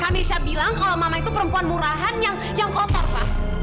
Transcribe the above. kami sya bilang kalau mama itu perempuan murahan yang kotor pak